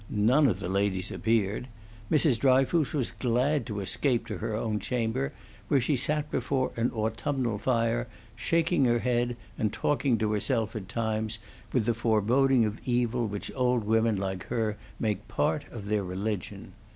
None of the ladies appeared. Mrs. Dryfoos was glad to escape to her own chamber, where she sat before an autumnal fire, shaking her head and talking to herself at times, with the foreboding of evil which old women like her make part of their religion.